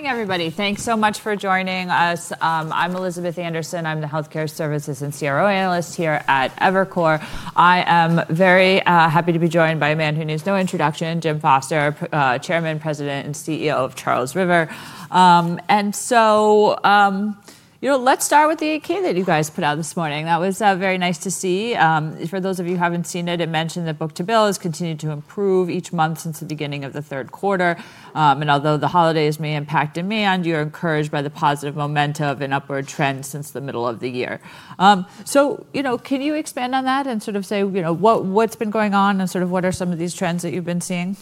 Morning, everybody. Thanks so much for joining us. I'm Elizabeth Anderson. I'm the Health Care Services and CRO analyst here at Evercore. I am very happy to be joined by a man who needs no introduction, Jim Foster, Chairman, President, and CEO of Charles River. And so, you know, let's start with the 8-K that you guys put out this morning. That was very nice to see. For those of you who haven't seen it, it mentioned that Book-to-bill has continued to improve each month since the beginning of the third quarter. And although the holidays may impact demand, you're encouraged by the positive momentum and upward trend since the middle of the year. So, you know, can you expand on that and sort of say, you know, what's been going on and sort of what are some of these trends that you've been seeing?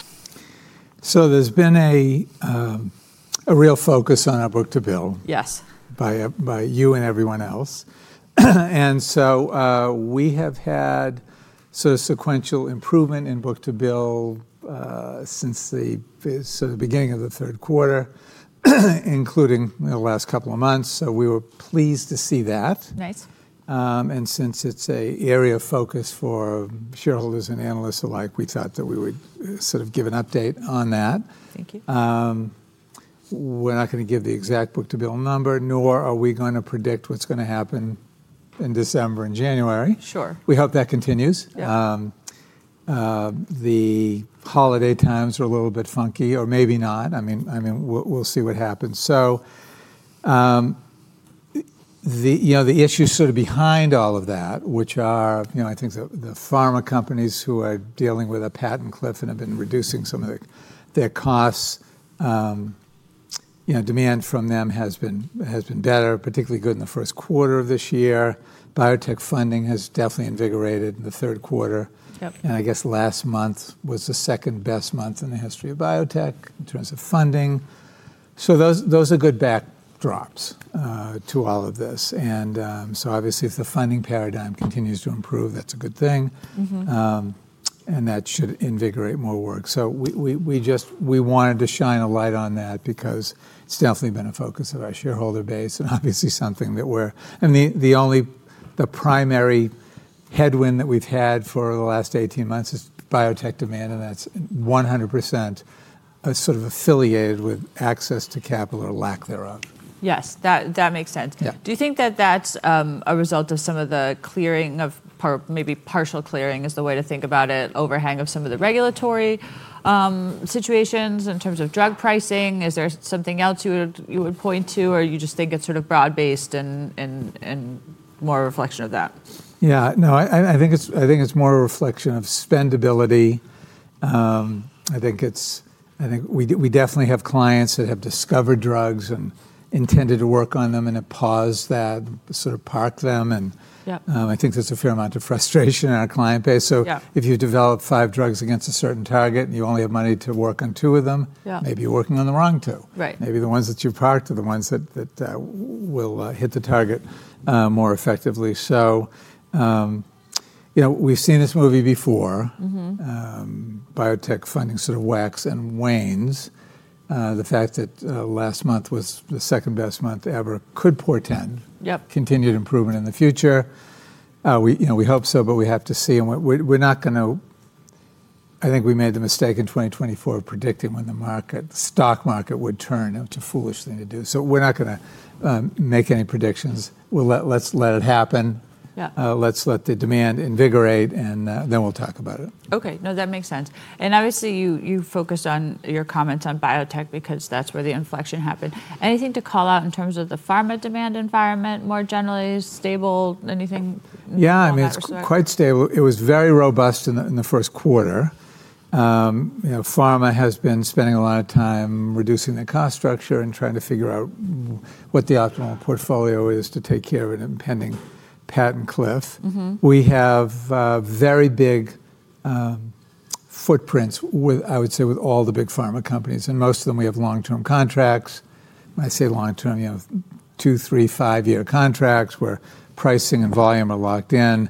There's been a real focus on our book-to-bill. Yes. By you and everyone else. And so we have had sort of sequential improvement in book-to-bill since the beginning of the third quarter, including the last couple of months. So we were pleased to see that. Nice. Since it's an area of focus for shareholders and analysts alike, we thought that we would sort of give an update on that. Thank you. We're not going to give the exact book-to-bill number, nor are we going to predict what's going to happen in December and January. Sure. We hope that continues. The holiday times are a little bit funky, or maybe not. I mean, we'll see what happens. So, you know, the issues sort of behind all of that, which are, you know, I think the pharma companies who are dealing with a patent cliff and have been reducing some of their costs, you know, demand from them has been better, particularly good in the first quarter of this year. Biotech funding has definitely invigorated in the third quarter. And I guess last month was the second best month in the history of biotech in terms of funding. So those are good backdrops to all of this. And so obviously, if the funding paradigm continues to improve, that's a good thing. And that should invigorate more work. So we just wanted to shine a light on that because it's definitely been a focus of our shareholder base and obviously something that we're. I mean, the only, the primary headwind that we've had for the last 18 months is biotech demand, and that's 100% sort of affiliated with access to capital or lack thereof. Yes, that makes sense. Do you think that that's a result of some of the clearing of, maybe partial clearing is the way to think about it, overhang of some of the regulatory situations in terms of drug pricing? Is there something else you would point to, or you just think it's sort of broad-based and more a reflection of that? Yeah, no, I think it's more a reflection of spendability. I think it's, I think we definitely have clients that have discovered drugs and intended to work on them and have paused that, sort of parked them. And I think there's a fair amount of frustration in our client base. So if you develop five drugs against a certain target and you only have money to work on two of them, maybe you're working on the wrong two. Right. Maybe the ones that you've parked are the ones that will hit the target more effectively. So, you know, we've seen this movie before. Biotech funding sort of waxes and wanes. The fact that last month was the second best month ever could portend continued improvement in the future. We hope so, but we have to see, and we're not going to, I think we made the mistake in 2024 of predicting when the market, the stock market would turn. It's a foolish thing to do, so we're not going to make any predictions. Let's let it happen. Let's let the demand invigorate, and then we'll talk about it. Okay. No, that makes sense. And obviously, you focused on your comments on biotech because that's where the inflection happened. Anything to call out in terms of the pharma demand environment more generally? Stable? Anything? Yeah, I mean, it's quite stable. It was very robust in the first quarter. You know, pharma has been spending a lot of time reducing their cost structure and trying to figure out what the optimal portfolio is to take care of an impending patent cliff. We have very big footprints, I would say, with all the big pharma companies. And most of them, we have long-term contracts. When I say long-term, you know, two, three, five-year contracts where pricing and volume are locked in.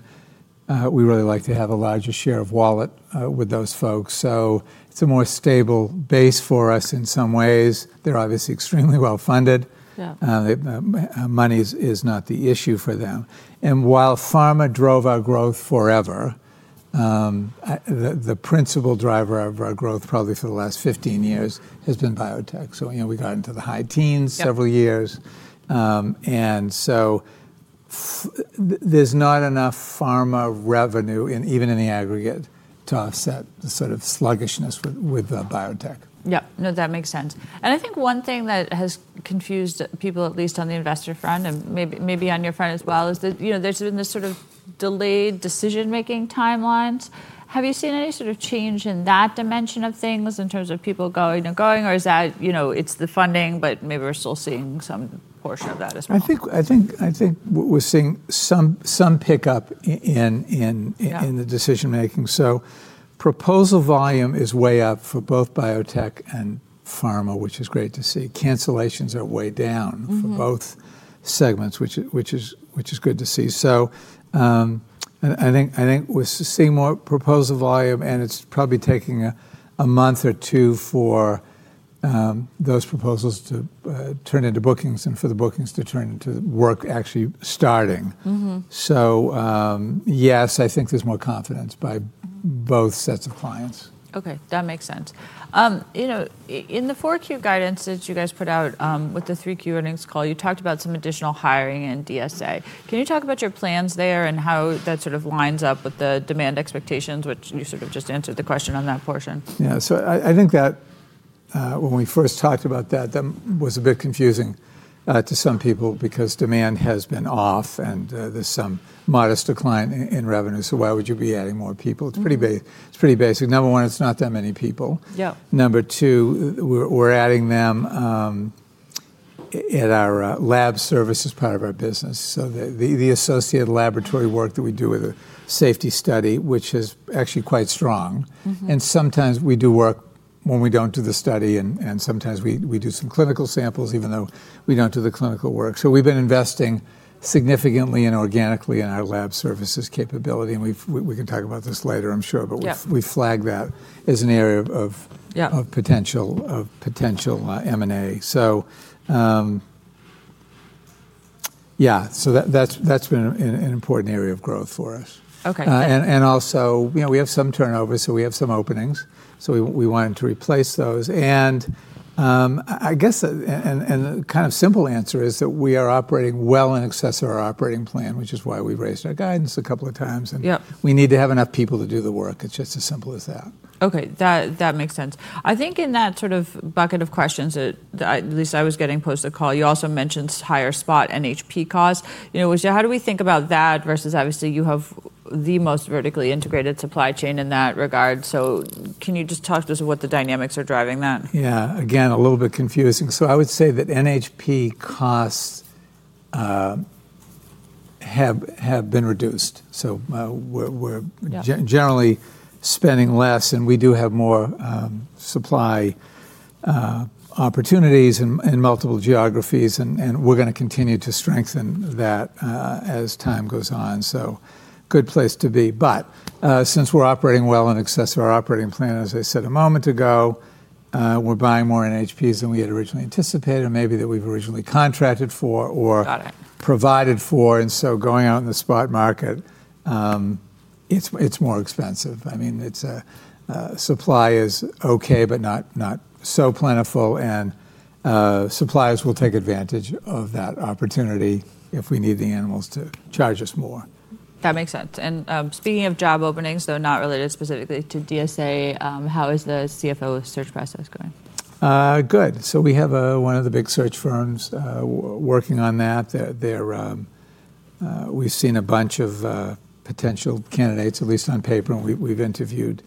We really like to have a larger share of wallet with those folks. So it's a more stable base for us in some ways. They're obviously extremely well-funded. Money is not the issue for them. And while pharma drove our growth forever, the principal driver of our growth probably for the last 15 years has been biotech. You know, we got into the high teens several years. There's not enough pharma revenue, even in the aggregate, to offset the sort of sluggishness with biotech. Yep. No, that makes sense. And I think one thing that has confused people, at least on the investor front, and maybe on your front as well, is that, you know, there's been this sort of delayed decision-making timelines. Have you seen any sort of change in that dimension of things in terms of people going and going, or is that, you know, it's the funding, but maybe we're still seeing some portion of that as well? I think we're seeing some pickup in the decision-making. So proposal volume is way up for both biotech and pharma, which is great to see. Cancellations are way down for both segments, which is good to see. So I think we're seeing more proposal volume, and it's probably taking a month or two for those proposals to turn into bookings and for the bookings to turn into work actually starting. So yes, I think there's more confidence by both sets of clients. Okay, that makes sense. You know, in the 4Q guidance that you guys put out with the 3Q earnings call, you talked about some additional hiring and DSA. Can you talk about your plans there and how that sort of lines up with the demand expectations, which you sort of just answered the question on that portion? Yeah, so I think that when we first talked about that, that was a bit confusing to some people because demand has been off and there's some modest decline in revenue, so why would you be adding more people? It's pretty basic. Number one, it's not that many people. Number two, we're adding them at our lab service as part of our business, so the associated laboratory work that we do with a safety study, which is actually quite strong, and sometimes we do work when we don't do the study, and sometimes we do some clinical samples, even though we don't do the clinical work, so we've been investing significantly and organically in our lab services capability, and we can talk about this later, I'm sure, but we flag that as an area of potential M&A, so, yeah, so that's been an important area of growth for us. Okay. Also, you know, we have some turnover, so we have some openings. We wanted to replace those. I guess the kind of simple answer is that we are operating well in excess of our operating plan, which is why we've raised our guidance a couple of times. We need to have enough people to do the work. It's just as simple as that. Okay, that makes sense. I think in that sort of bucket of questions, at least post the call, you also mentioned higher spot NHP costs. You know, how do we think about that versus obviously you have the most vertically integrated supply chain in that regard. So can you just talk to us what the dynamics are driving that? Yeah, again, a little bit confusing. So I would say that NHP costs have been reduced. So we're generally spending less, and we do have more supply opportunities in multiple geographies, and we're going to continue to strengthen that as time goes on. So good place to be. But since we're operating well in excess of our operating plan, as I said a moment ago, we're buying more NHPs than we had originally anticipated, or maybe that we've originally contracted for or provided for. And so going out in the spot market, it's more expensive. I mean, supply is okay, but not so plentiful, and suppliers will take advantage of that opportunity if we need the animals to charge us more. That makes sense. And speaking of job openings, though, not related specifically to DSA, how is the CFO search process going? Good. So we have one of the big search firms working on that. We've seen a bunch of potential candidates, at least on paper, and we've interviewed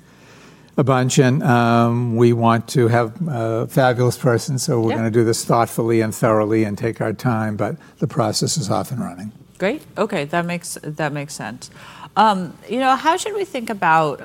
a bunch. And we want to have a fabulous person, so we're going to do this thoughtfully and thoroughly and take our time, but the process is off and running. Great. Okay, that makes sense. You know, how should we think about,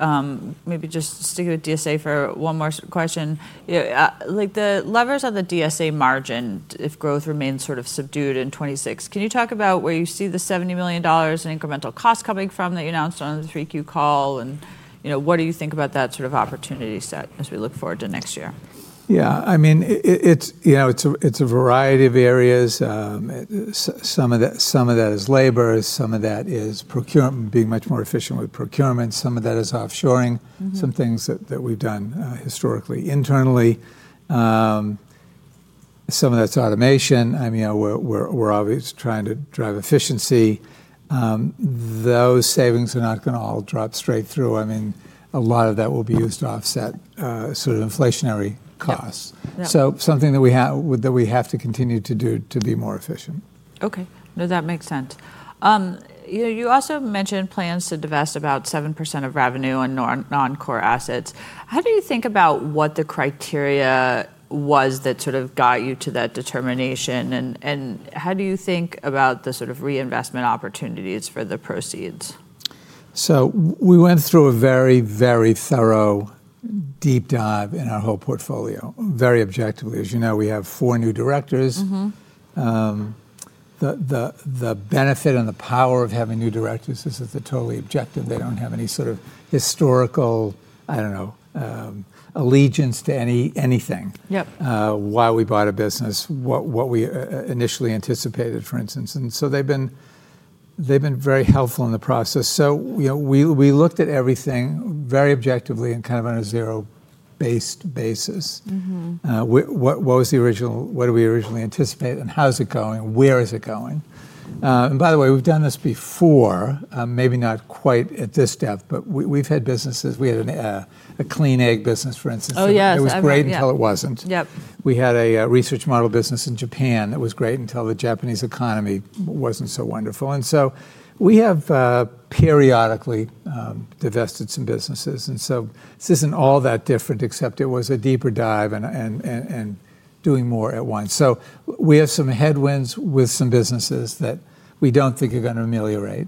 maybe just sticking with DSA for one more question, like the levers on the DSA margin, if growth remains sort of subdued in 2026, can you talk about where you see the $70 million in incremental costs coming from that you announced on the three Q call? And, you know, what do you think about that sort of opportunity set as we look forward to next year? Yeah, I mean, it's a variety of areas. Some of that is labor. Some of that is procurement, being much more efficient with procurement. Some of that is offshoring, some things that we've done historically internally. Some of that's automation. I mean, we're always trying to drive efficiency. Those savings are not going to all drop straight through. I mean, a lot of that will be used to offset sort of inflationary costs. So something that we have to continue to do to be more efficient. Okay. No, that makes sense. You also mentioned plans to divest about 7% of revenue on non-core assets. How do you think about what the criteria was that sort of got you to that determination? And how do you think about the sort of reinvestment opportunities for the proceeds? So we went through a very, very thorough deep dive in our whole portfolio, very objectively. As you know, we have four new directors. The benefit and the power of having new directors is that they're totally objective. They don't have any sort of historical, I don't know, allegiance to anything why we bought a business, what we initially anticipated, for instance. And so they've been very helpful in the process. So, you know, we looked at everything very objectively and kind of on a zero-based basis. What was the original, what did we originally anticipate, and how's it going, and where is it going? And by the way, we've done this before, maybe not quite at this depth, but we've had businesses. We had a clean egg business, for instance. Oh, yeah. It was great until it wasn't. We had a research model business in Japan that was great until the Japanese economy wasn't so wonderful. And so we have periodically divested some businesses. And so this isn't all that different, except it was a deeper dive and doing more at once. So we have some headwinds with some businesses that we don't think are going to ameliorate.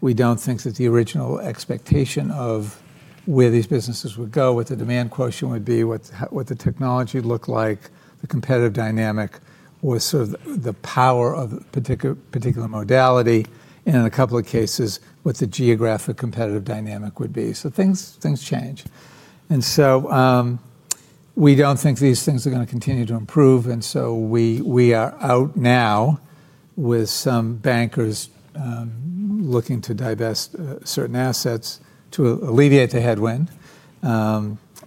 We don't think that the original expectation of where these businesses would go, what the demand quotient would be, what the technology would look like, the competitive dynamic, or sort of the power of a particular modality in a couple of cases, what the geographic competitive dynamic would be. So things change. And so we don't think these things are going to continue to improve. And so we are out now with some bankers looking to divest certain assets to alleviate the headwind.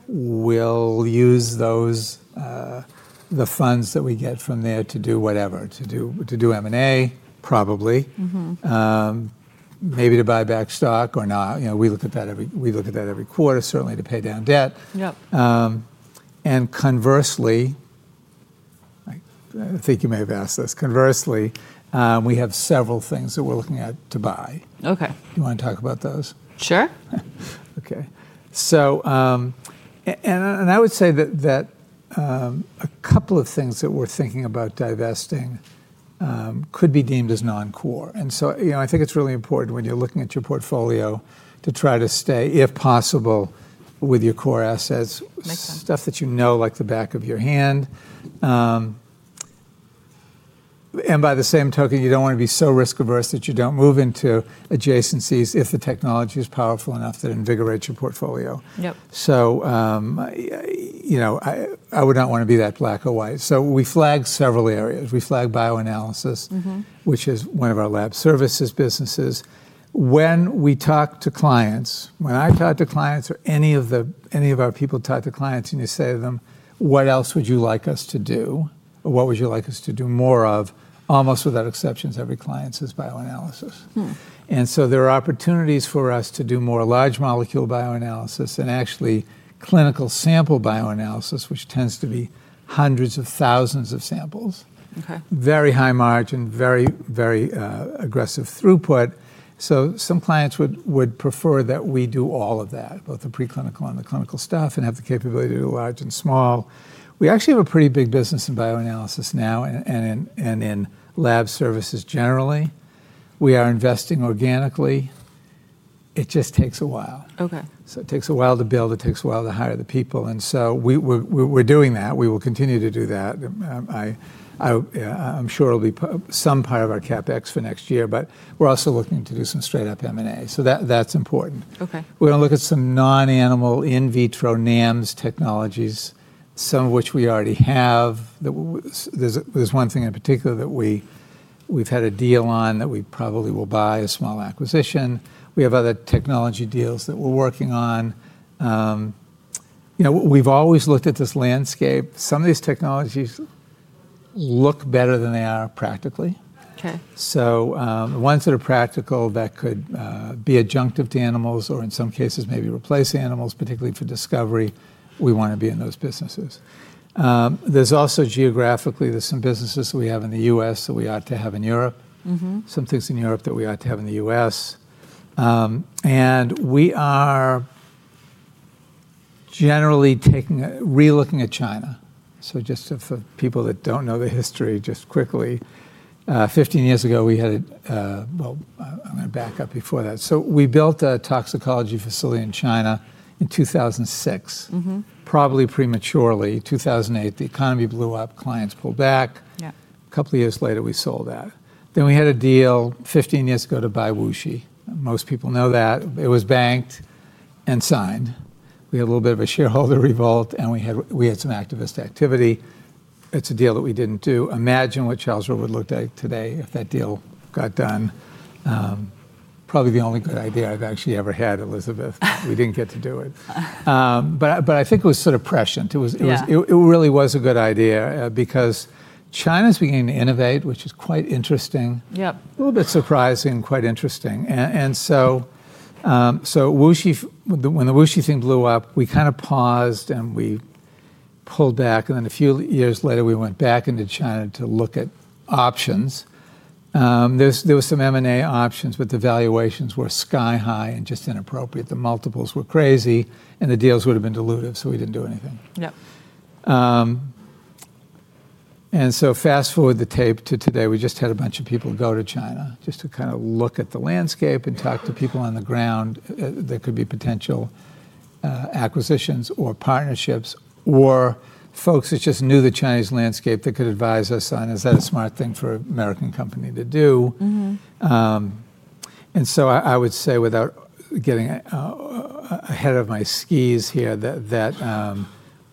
We'll use those, the funds that we get from there to do whatever, to do M&A, probably, maybe to buy back stock or not. You know, we look at that every quarter, certainly to pay down debt, and conversely, I think you may have asked this, conversely, we have several things that we're looking at to buy. Okay. Do you want to talk about those? Sure. Okay. So, and I would say that a couple of things that we're thinking about divesting could be deemed as non-core. And so, you know, I think it's really important when you're looking at your portfolio to try to stay, if possible, with your core assets, stuff that you know like the back of your hand. And by the same token, you don't want to be so risk averse that you don't move into adjacencies if the technology is powerful enough that invigorates your portfolio. So, you know, I would not want to be that black or white. So we flag several areas. We flag bioanalysis, which is one of our lab services businesses. When we talk to clients, when I talk to clients or any of our people talk to clients and you say to them, "What else would you like us to do? What would you like us to do more of?" Almost without exceptions, every client says bioanalysis. And so there are opportunities for us to do more large molecule bioanalysis and actually clinical sample bioanalysis, which tends to be hundreds of thousands of samples, very high margin, very, very aggressive throughput. So some clients would prefer that we do all of that, both the preclinical and the clinical stuff, and have the capability to do large and small. We actually have a pretty big business in bioanalysis now and in lab services generally. We are investing organically. It just takes a while. Okay. It takes a while to build. It takes a while to hire the people, and so we're doing that. We will continue to do that. I'm sure it'll be some part of our CapEx for next year, but we're also looking to do some straight-up M&A, so that's important. Okay. We're going to look at some non-animal in vitro NAMs technologies, some of which we already have. There's one thing in particular that we've had a deal on that we probably will buy a small acquisition. We have other technology deals that we're working on. You know, we've always looked at this landscape. Some of these technologies look better than they are practically. Okay. So the ones that are practical that could be adjunctive to animals or in some cases maybe replace animals, particularly for discovery, we want to be in those businesses. There's also geographically, there's some businesses that we have in the US that we ought to have in Europe, some things in Europe that we ought to have in the US. And we are generally relooking at China. So just for people that don't know the history, just quickly, 15 years ago we had a, well, I'm going to back up before that. So we built a toxicology facility in China in 2006, probably prematurely. 2008, the economy blew up, clients pulled back. A couple of years later, we sold that. Then we had a deal 15 years ago to buy Wuxi. Most people know that. It was banked and signed. We had a little bit of a shareholder revolt and we had some activist activity. It's a deal that we didn't do. Imagine what Charles River would look like today if that deal got done. Probably the only good idea I've actually ever had, Elizabeth. We didn't get to do it. But I think it was sort of prescient. It really was a good idea because China's beginning to innovate, which is quite interesting, a little bit surprising, quite interesting. And so when the Wuxi thing blew up, we kind of paused and we pulled back. And then a few years later, we went back into China to look at options. There were some M&A options, but the valuations were sky high and just inappropriate. The multiples were crazy and the deals would have been dilutive, so we didn't do anything. Yeah. And so fast forward the tape to today. We just had a bunch of people go to China just to kind of look at the landscape and talk to people on the ground that could be potential acquisitions or partnerships or folks that just knew the Chinese landscape that could advise us on, is that a smart thing for an American company to do? And so I would say without getting ahead of my skis here that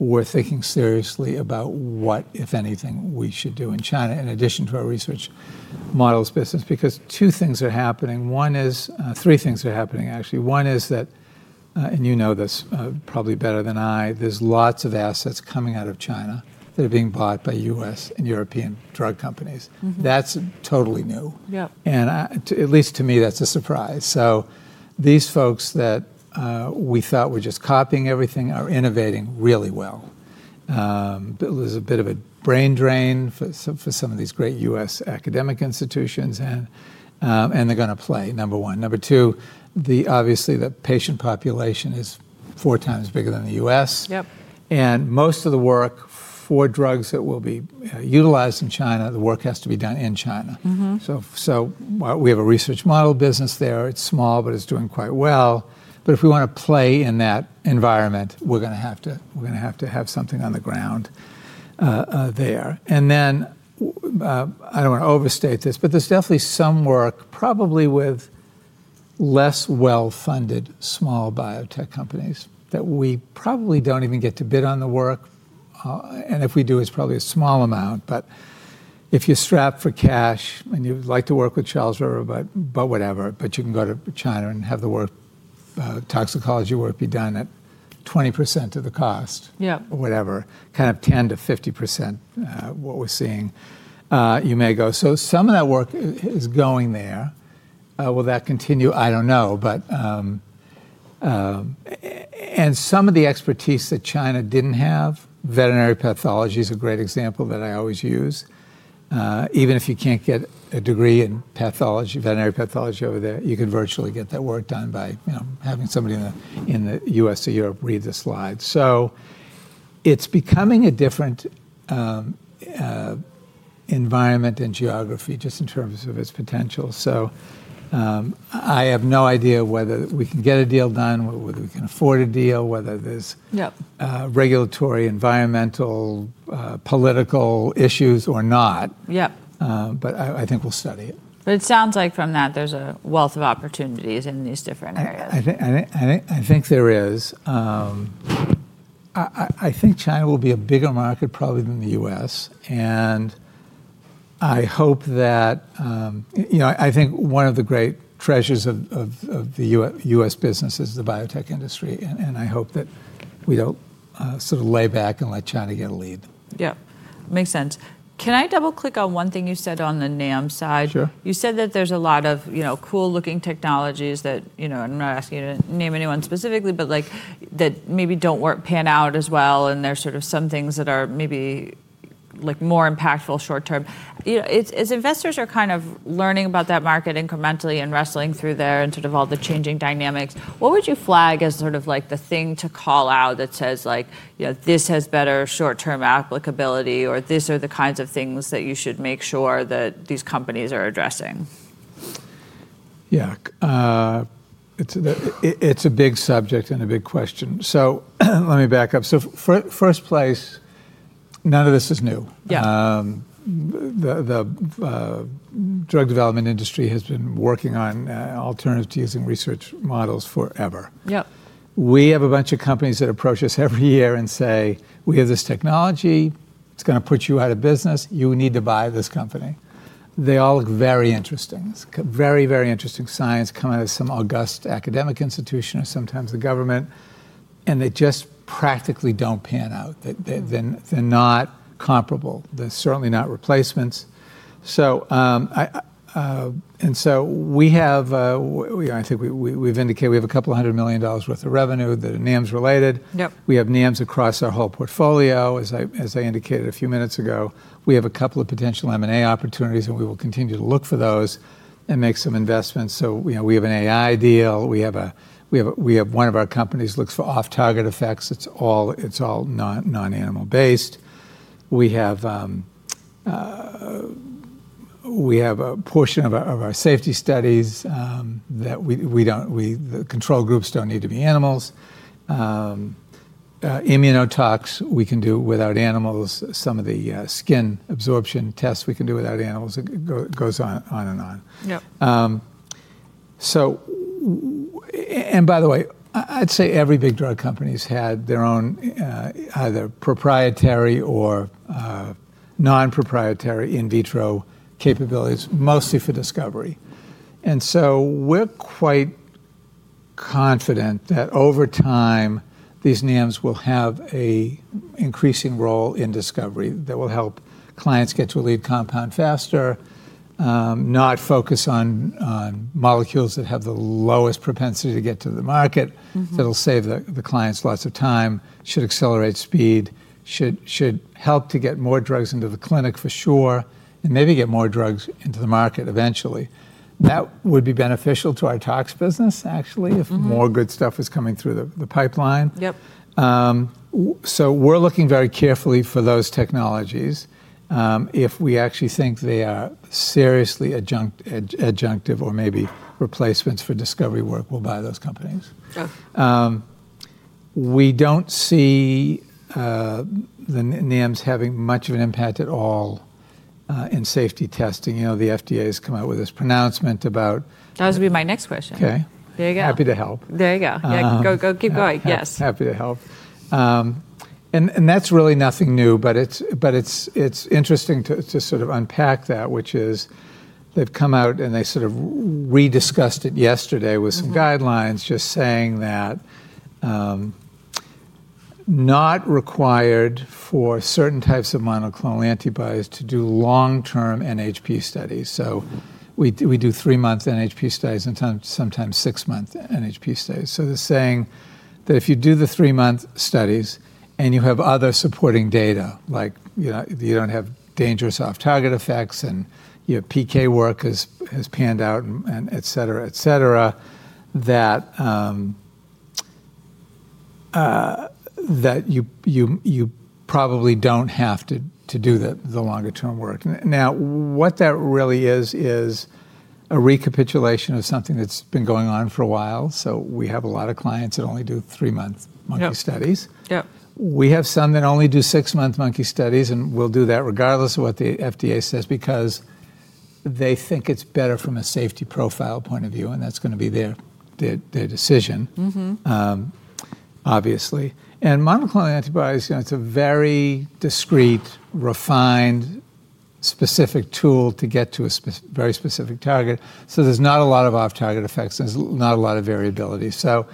we're thinking seriously about what, if anything, we should do in China in addition to our research models business, because two things are happening. One is, three things are happening, actually. One is that, and you know this probably better than I, there's lots of assets coming out of China that are being bought by US and European drug companies. That's totally new. And at least to me, that's a surprise. So these folks that we thought were just copying everything are innovating really well. It was a bit of a brain drain for some of these great U.S. academic institutions, and they're going to play, number one. Number two, obviously the patient population is four times bigger than the U.S. And most of the work for drugs that will be utilized in China, the work has to be done in China. So we have a research model business there. It's small, but it's doing quite well. But if we want to play in that environment, we're going to have to have something on the ground there. And then I don't want to overstate this, but there's definitely some work, probably with less well-funded small biotech companies that we probably don't even get to bid on the work. And if we do, it's probably a small amount. But if you are strapped for cash and you'd like to work with Charles River, but whatever, but you can go to China and have the toxicology work be done at 20% of the cost or whatever, kind of 10%-50% what we're seeing, you may go. So some of that work is going there. Will that continue? I don't know. And some of the expertise that China didn't have, veterinary pathology is a great example that I always use. Even if you can't get a degree in veterinary pathology over there, you can virtually get that work done by having somebody in the U.S. or Europe read the slides. So it's becoming a different environment and geography just in terms of its potential. So I have no idea whether we can get a deal done, whether we can afford a deal, whether there's regulatory, environmental, political issues or not. But I think we'll study it. But it sounds like from that, there's a wealth of opportunities in these different areas. I think there is. I think China will be a bigger market probably than the U.S. And I hope that, you know, I think one of the great treasures of the U.S. business is the biotech industry. And I hope that we don't sort of lay back and let China get a lead. Yeah. Makes sense. Can I double-click on one thing you said on the NAMs side? Sure. You said that there's a lot of cool-looking technologies that, you know, I'm not asking you to name anyone specifically, but like that maybe don't pan out as well. And there's sort of some things that are maybe like more impactful short term. As investors are kind of learning about that market incrementally and wrestling through there and sort of all the changing dynamics, what would you flag as sort of like the thing to call out that says like, you know, this has better short-term applicability or these are the kinds of things that you should make sure that these companies are addressing? Yeah. It's a big subject and a big question. So let me back up. So first place, none of this is new. The drug development industry has been working on alternatives to using research models forever. We have a bunch of companies that approach us every year and say, "We have this technology. It's going to put you out of business. You need to buy this company." They all look very interesting. It's very, very interesting science coming out of some august academic institution or sometimes the government. And they just practically don't pan out. They're not comparable. They're certainly not replacements. And so we have, I think we've indicated we have $200 million worth of revenue that are NAMs related. We have NAMs across our whole portfolio, as I indicated a few minutes ago. We have a couple of potential M&A opportunities, and we will continue to look for those and make some investments. So we have an AI deal. We have one of our companies looks for off-target effects. It's all non-animal-based. We have a portion of our safety studies that the control groups don't need to be animals. Immunotox we can do without animals. Some of the skin absorption tests we can do without animals goes on and on. And by the way, I'd say every big drug company has had their own either proprietary or non-proprietary in vitro capabilities, mostly for discovery. And so we're quite confident that over time, these NAMs will have an increasing role in discovery that will help clients get to a lead compound faster, not focus on molecules that have the lowest propensity to get to the market, that'll save the clients lots of time, should accelerate speed, should help to get more drugs into the clinic for sure, and maybe get more drugs into the market eventually. That would be beneficial to our tox business, actually, if more good stuff was coming through the pipeline. So we're looking very carefully for those technologies. If we actually think they are seriously adjunctive or maybe replacements for discovery work, we'll buy those companies. We don't see the NAMs having much of an impact at all in safety testing. You know, the FDA has come out with this pronouncement about. That was going to be my next question. Okay. There you go. Happy to help. There you go. Keep going. Yes. Happy to help, and that's really nothing new, but it's interesting to sort of unpack that, which is, they've come out and they sort of rediscussed it yesterday with some guidelines just saying that not required for certain types of monoclonal antibodies to do long-term NHP studies, so we do three-month NHP studies and sometimes six-month NHP studies, so they're saying that if you do the three-month studies and you have other supporting data, like you don't have dangerous off-target effects and your PK work has panned out, et cetera, et cetera, that you probably don't have to do the longer-term work. Now, what that really is, is a recapitulation of something that's been going on for a while, so we have a lot of clients that only do three-month monkey studies. We have some that only do six-month monkey studies, and we'll do that regardless of what the FDA says because they think it's better from a safety profile point of view, and that's going to be their decision, obviously, and monoclonal antibodies, you know, it's a very discrete, refined, specific tool to get to a very specific target, so there's not a lot of off-target effects. There's not a lot of variability, so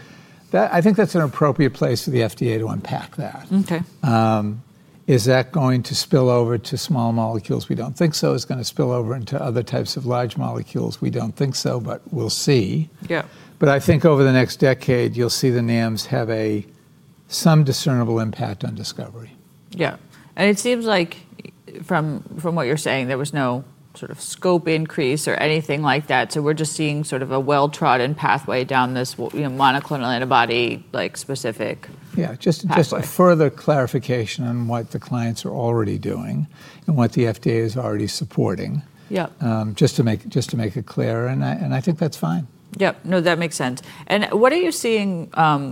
I think that's an appropriate place for the FDA to unpack that. Is that going to spill over to small molecules? We don't think so. Is it going to spill over into other types of large molecules? We don't think so, but we'll see, but I think over the next decade, you'll see the NAMs have some discernible impact on discovery. Yeah. And it seems like from what you're saying, there was no sort of scope increase or anything like that. So we're just seeing sort of a well-trodden pathway down this monoclonal antibody-specific. Yeah. Just a further clarification on what the clients are already doing and what the FDA is already supporting, just to make it clear. And I think that's fine. Yep. No, that makes sense. And what are you seeing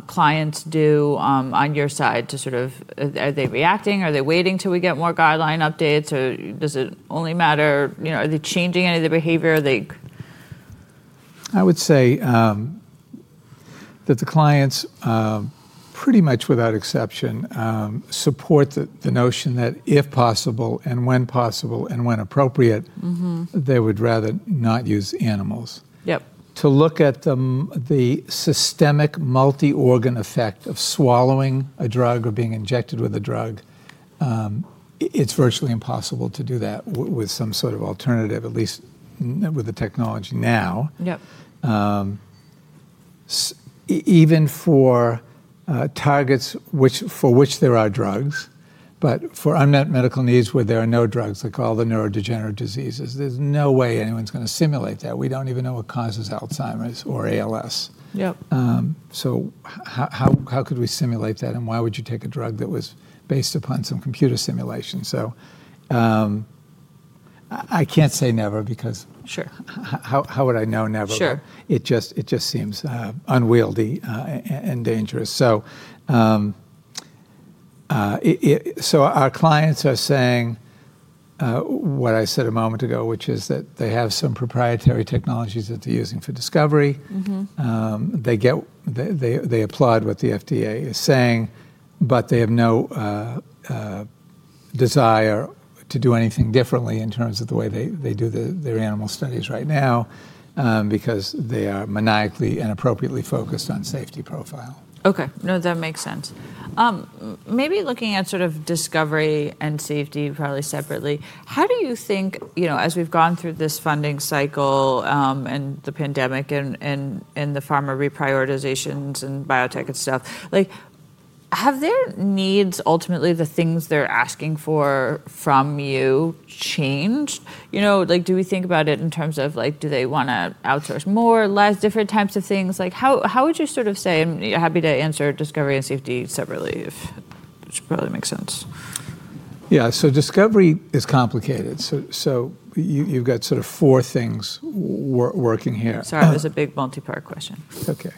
clients do on your side to sort of, are they reacting? Are they waiting till we get more guideline updates? Or does it only matter, you know, are they changing any of the behavior? I would say that the clients, pretty much without exception, support the notion that if possible and when possible and when appropriate, they would rather not use animals. To look at the systemic multi-organ effect of swallowing a drug or being injected with a drug, it's virtually impossible to do that with some sort of alternative, at least with the technology now. Even for targets for which there are drugs, but for unmet medical needs where there are no drugs, like all the neurodegenerative diseases, there's no way anyone's going to simulate that. We don't even know what causes Alzheimer's or ALS. So how could we simulate that? And why would you take a drug that was based upon some computer simulation? So I can't say never because how would I know never? It just seems unwieldy and dangerous. So our clients are saying what I said a moment ago, which is that they have some proprietary technologies that they're using for discovery. They applaud what the FDA is saying, but they have no desire to do anything differently in terms of the way they do their animal studies right now because they are maniacally and appropriately focused on safety profile. Okay. No, that makes sense. Maybe looking at sort of discovery and safety probably separately, how do you think, you know, as we've gone through this funding cycle and the pandemic and the pharma reprioritizations and biotech and stuff, like have their needs, ultimately the things they're asking for from you changed? You know, like do we think about it in terms of like do they want to outsource more, less, different types of things? Like how would you sort of say, and you're happy to answer discovery and safety separately if it should probably make sense. Yeah. So discovery is complicated. So you've got sort of four things working here. Sorry, it was a big multi-part question. Okay.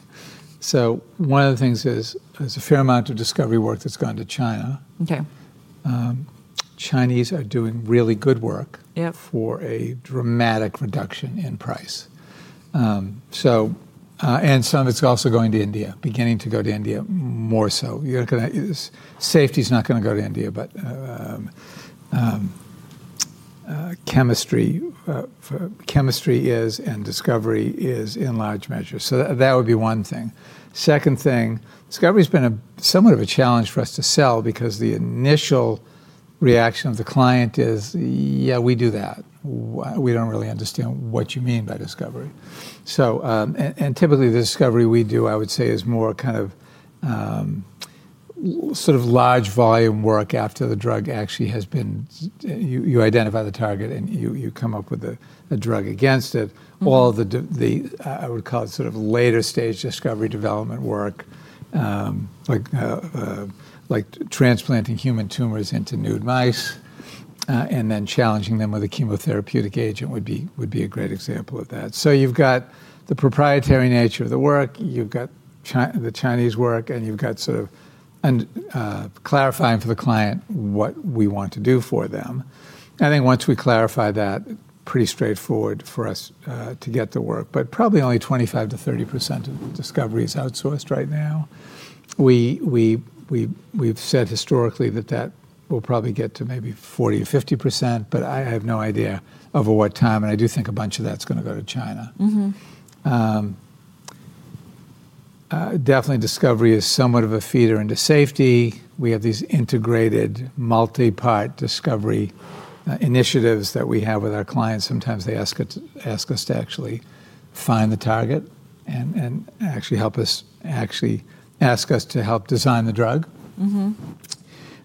So one of the things is there's a fair amount of discovery work that's gone to China. Chinese are doing really good work for a dramatic reduction in price. And some of it's also going to India, beginning to go to India more so. Safety is not going to go to India, but chemistry is and discovery is in large measure. So that would be one thing. Second thing, discovery has been somewhat of a challenge for us to sell because the initial reaction of the client is, "Yeah, we do that. We don't really understand what you mean by discovery." And typically the discovery we do, I would say, is more kind of sort of large volume work after the drug actually has been identified, the target, and you come up with a drug against it. All the, I would call it sort of later stage discovery development work, like transplanting human tumors into nude mice and then challenging them with a chemotherapeutic agent would be a great example of that, so you've got the proprietary nature of the work, you've got the Chinese work, and you've got sort of clarifying for the client what we want to do for them. I think once we clarify that, pretty straightforward for us to get the work, but probably only 25%-30% of discovery is outsourced right now. We've said historically that that will probably get to maybe 40%-50%, but I have no idea of what time, and I do think a bunch of that's going to go to China. Definitely discovery is somewhat of a feeder into safety. We have these integrated multi-part discovery initiatives that we have with our clients. Sometimes they ask us to actually find the target and actually ask us to help design the drug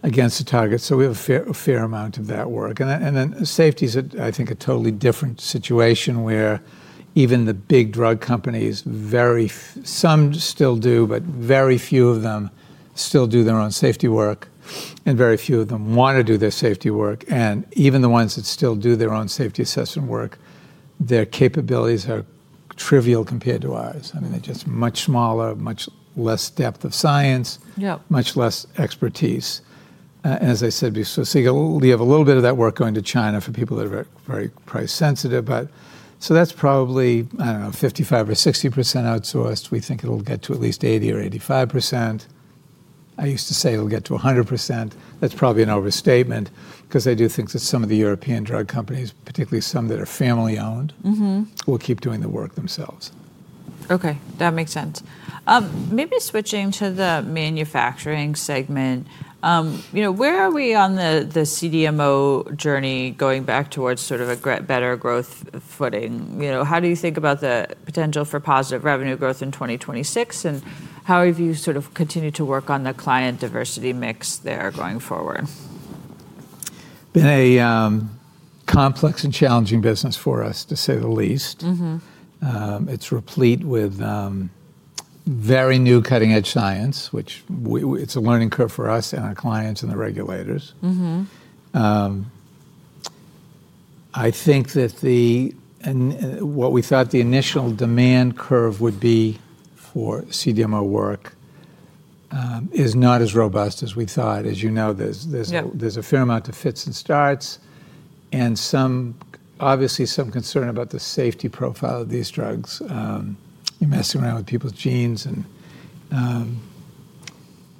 against the target. So we have a fair amount of that work. And then safety is, I think, a totally different situation where even the big drug companies, some still do, but very few of them still do their own safety work, and very few of them want to do their safety work. And even the ones that still do their own safety assessment work, their capabilities are trivial compared to ours. I mean, they're just much smaller, much less depth of science, much less expertise. As I said, we have a little bit of that work going to China for people that are very price sensitive. So that's probably, I don't know, 55%-60% outsourced. We think it'll get to at least 80%-85%. I used to say it'll get to 100%. That's probably an overstatement because I do think that some of the European drug companies, particularly some that are family-owned, will keep doing the work themselves. Okay. That makes sense. Maybe switching to the manufacturing segment, you know, where are we on the CDMO journey going back towards sort of a better growth footing? You know, how do you think about the potential for positive revenue growth in 2026? And how have you sort of continued to work on the client diversity mix there going forward? Been a complex and challenging business for us, to say the least. It's replete with very new cutting-edge science, which it's a learning curve for us and our clients and the regulators. I think that what we thought the initial demand curve would be for CDMO work is not as robust as we thought. As you know, there's a fair amount of fits and starts and obviously some concern about the safety profile of these drugs. You're messing around with people's genes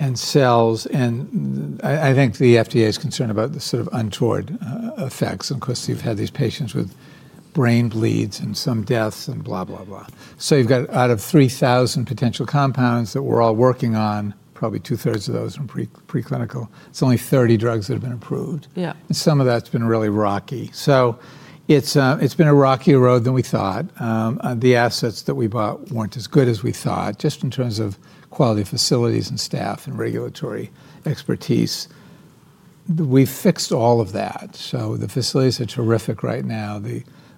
and cells, and I think the FDA is concerned about the sort of untoward effects, and of course, you've had these patients with brain bleeds and some deaths and blah, blah, blah, so you've got out of 3,000 potential compounds that we're all working on, probably two-thirds of those are preclinical. It's only 30 drugs that have been approved, and some of that's been really rocky. So it's been a rockier road than we thought. The assets that we bought weren't as good as we thought, just in terms of quality facilities and staff and regulatory expertise. We've fixed all of that. So the facilities are terrific right now.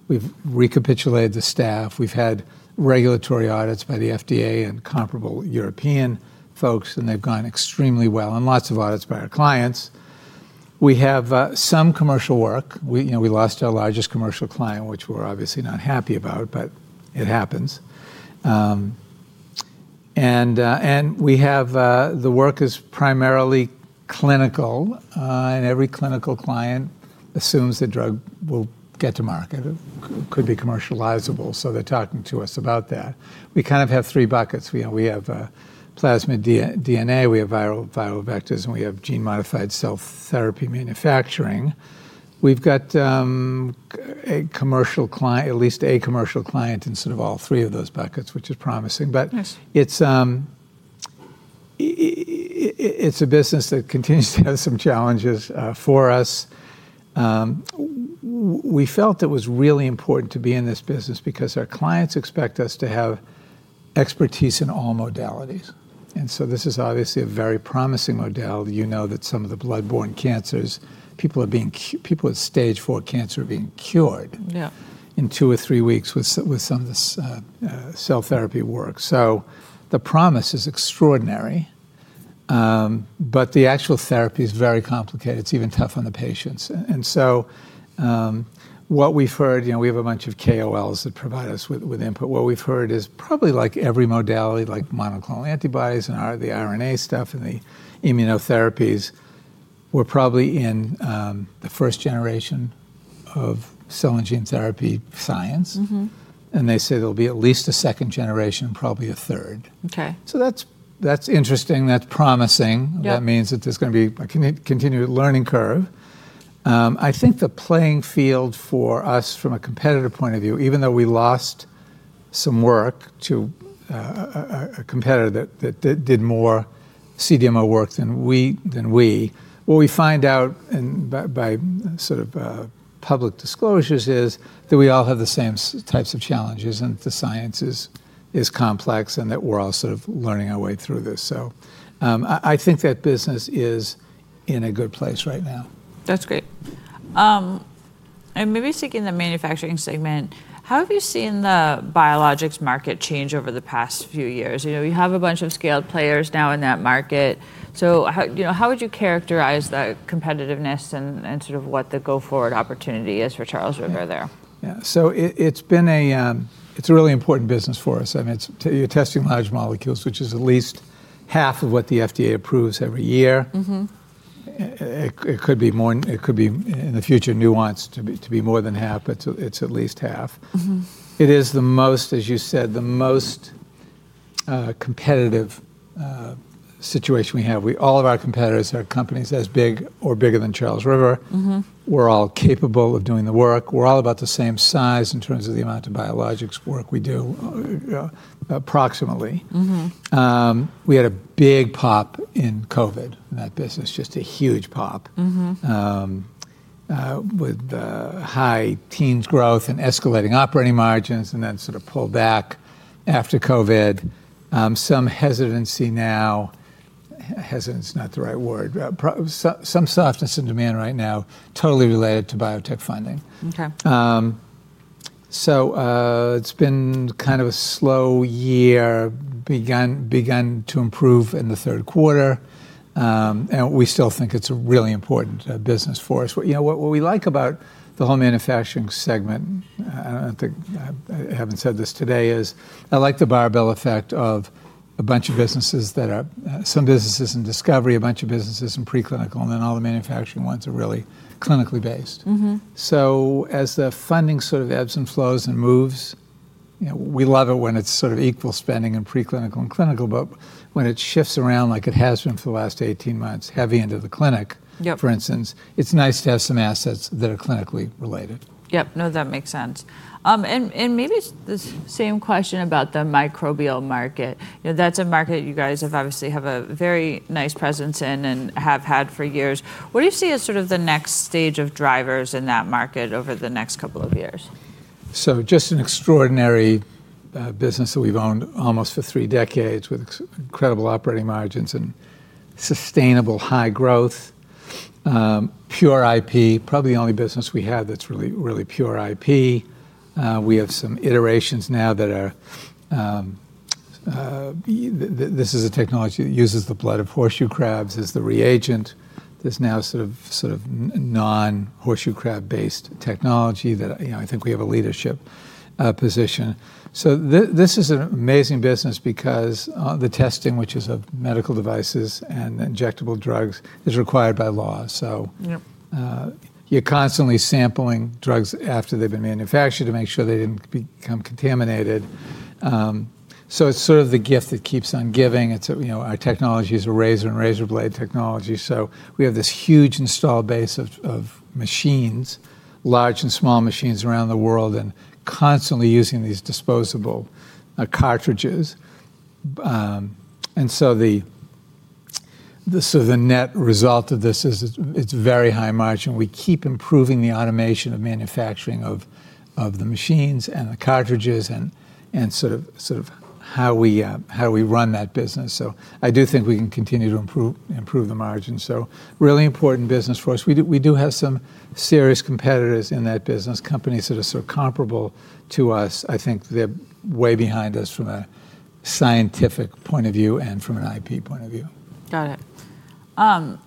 We've recapitulated the staff. We've had regulatory audits by the FDA and comparable European folks, and they've gone extremely well. And lots of audits by our clients. We have some commercial work. You know, we lost our largest commercial client, which we're obviously not happy about, but it happens. And we have the work is primarily clinical, and every clinical client assumes the drug will get to market. It could be commercializable. So they're talking to us about that. We kind of have three buckets. We have plasmid DNA, we have viral vectors, and we have gene-modified cell therapy manufacturing. We've got at least a commercial client in sort of all three of those buckets, which is promising. But it's a business that continues to have some challenges for us. We felt it was really important to be in this business because our clients expect us to have expertise in all modalities. And so this is obviously a very promising modality. You know that some of the blood-borne cancers, people at stage four cancer are being cured in two or three weeks with some cell therapy work. So the promise is extraordinary, but the actual therapy is very complicated. It's even tough on the patients. And so what we've heard, you know, we have a bunch of KOLs that provide us with input. What we've heard is probably like every modality, like monoclonal antibodies and the RNA stuff and the immunotherapies. We're probably in the first generation of cell and gene therapy science, and they say there'll be at least a second generation, probably a third, so that's interesting. That's promising. That means that there's going to be a continued learning curve. I think the playing field for us from a competitive point of view, even though we lost some work to a competitor that did more CDMO work than we, what we find out by sort of public disclosures is that we all have the same types of challenges and the science is complex and that we're all sort of learning our way through this, so I think that business is in a good place right now. That's great. And maybe speaking of the manufacturing segment, how have you seen the biologics market change over the past few years? You know, you have a bunch of scaled players now in that market. So how would you characterize the competitiveness and sort of what the go-forward opportunity is for Charles River there? Yeah. So it's been, it's a really important business for us. I mean, you're testing large molecules, which is at least half of what the FDA approves every year. It could be more, it could be in the future nuanced to be more than half, but it's at least half. It is, as you said, the most competitive situation we have. All of our competitors are companies as big or bigger than Charles River. We're all capable of doing the work. We're all about the same size in terms of the amount of biologics work we do, approximately. We had a big pop in COVID in that business, just a huge pop with high teen growth and escalating operating margins and then sort of pulled back after COVID. Some hesitancy now. Hesitance is not the right word. Some softness in demand right now, totally related to biotech funding. So it's been kind of a slow year, begun to improve in the third quarter. And we still think it's a really important business for us. You know, what we like about the whole manufacturing segment, I don't think I haven't said this today, is I like the Barbell effect of a bunch of businesses that are some businesses in discovery, a bunch of businesses in preclinical, and then all the manufacturing ones are really clinically based. So as the funding sort of ebbs and flows and moves, we love it when it's sort of equal spending in preclinical and clinical, but when it shifts around like it has been for the last 18 months, heavy into the clinic, for instance, it's nice to have some assets that are clinically related. Yep. No, that makes sense. And maybe the same question about the microbial market. You know, that's a market you guys have obviously a very nice presence in and have had for years. What do you see as sort of the next stage of drivers in that market over the next couple of years? So just an extraordinary business that we've owned almost for three decades with incredible operating margins and sustainable high growth, pure IP, probably the only business we have that's really, really pure IP. We have some iterations now that are, this is a technology that uses the blood of horseshoe crabs as the reagent. There's now sort of non-horseshoe crab-based technology that I think we have a leadership position. So this is an amazing business because the testing, which is of medical devices and injectable drugs, is required by law. So you're constantly sampling drugs after they've been manufactured to make sure they didn't become contaminated. So it's sort of the gift that keeps on giving. Our technology is a razor and razor blade technology. So we have this huge installed base of machines, large and small machines around the world, and constantly using these disposable cartridges. And so the net result of this is it's very high margin. We keep improving the automation of manufacturing of the machines and the cartridges and sort of how we run that business. So I do think we can continue to improve the margin. So really important business for us. We do have some serious competitors in that business, companies that are sort of comparable to us. I think they're way behind us from a scientific point of view and from an IP point of view. Got it. And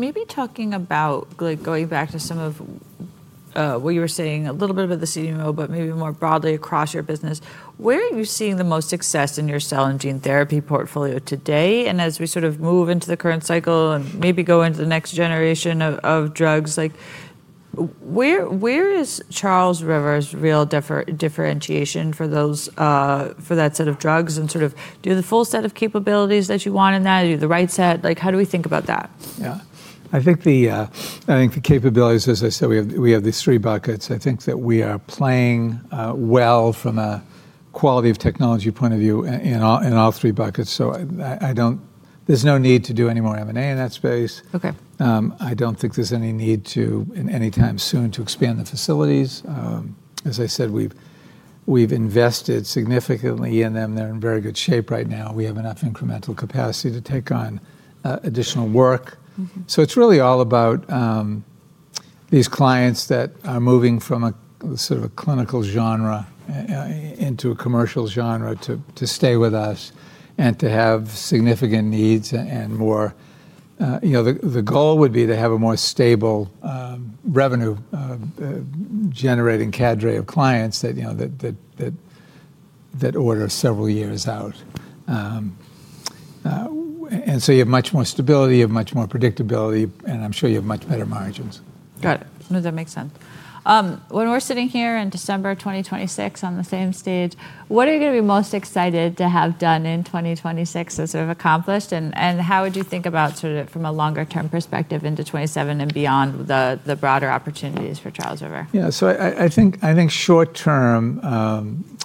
maybe talking about going back to some of what you were saying, a little bit about the CDMO, but maybe more broadly across your business, where are you seeing the most success in your cell and gene therapy portfolio today? And as we sort of move into the current cycle and maybe go into the next generation of drugs, where is Charles River's real differentiation for that set of drugs? And sort of do you have the full set of capabilities that you want in that? Do you have the right set? Like how do we think about that? Yeah. I think the capabilities, as I said, we have these three buckets. I think that we are playing well from a quality of technology point of view in all three buckets. So there's no need to do any more M&A in that space. I don't think there's any need to, anytime soon, to expand the facilities. As I said, we've invested significantly in them. They're in very good shape right now. We have enough incremental capacity to take on additional work. So it's really all about these clients that are moving from a sort of clinical genre into a commercial genre to stay with us and to have significant needs and more. The goal would be to have a more stable revenue-generating cadre of clients that order several years out. You have much more stability, you have much more predictability, and I'm sure you have much better margins. Got it. No, that makes sense. When we're sitting here in December 2026 on the same stage, what are you going to be most excited to have done in 2026 as sort of accomplished? And how would you think about sort of from a longer-term perspective into 2027 and beyond the broader opportunities for Charles River? Yeah. So I think short-term,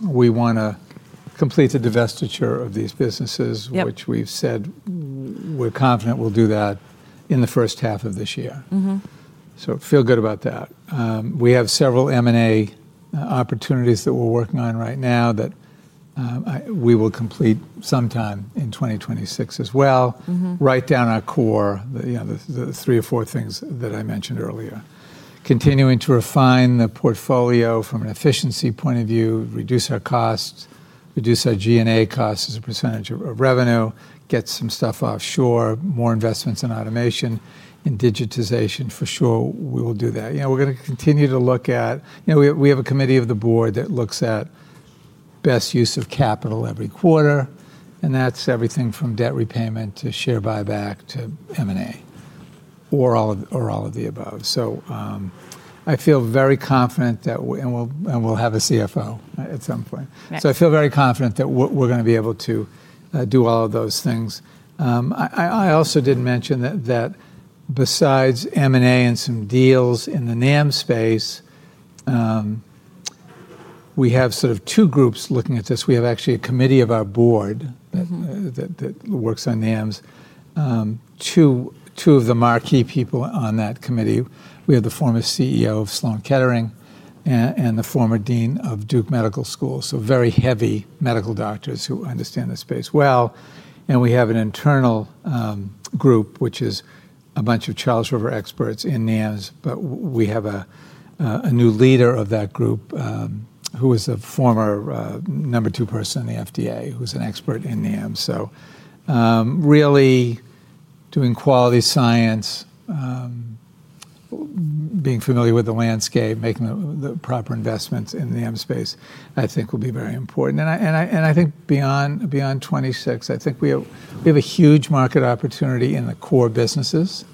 we want to complete the divestiture of these businesses, which we've said we're confident we'll do that in the first half of this year, so feel good about that. We have several M&A opportunities that we're working on right now that we will complete sometime in 2026 as well. Write down our core, the three or four things that I mentioned earlier. Continuing to refine the portfolio from an efficiency point of view, reduce our costs, reduce our G&A costs as a percentage of revenue, get some stuff offshore, more investments in automation, in digitization, for sure, we will do that. You know, we're going to continue to look at, you know, we have a committee of the board that looks at best use of capital every quarter, and that's everything from debt repayment to share buyback to M&A or all of the above. I feel very confident that, and we'll have a CFO at some point. I feel very confident that we're going to be able to do all of those things. I also didn't mention that besides M&A and some deals in the NAM space, we have sort of two groups looking at this. We have actually a committee of our board that works on NAMs, two of the marquee people on that committee. We have the former CEO of Sloan Kettering and the former dean of Duke Medical School. Very heavy medical doctors who understand the space well. We have an internal group, which is a bunch of Charles River experts in NAMs, but we have a new leader of that group who is a former number two person in the FDA who's an expert in NAMs. Really doing quality science, being familiar with the landscape, making the proper investments in the NAM space, I think will be very important. I think beyond 2026, I think we have a huge market opportunity in the core businesses.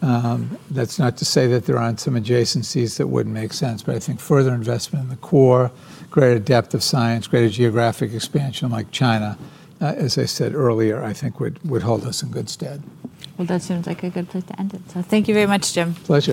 That's not to say that there aren't some adjacencies that wouldn't make sense, but I think further investment in the core, greater depth of science, greater geographic expansion like China, as I said earlier, I think would hold us in good stead. Well, that seems like a good place to end it. So thank you very much, Jim. Thanks.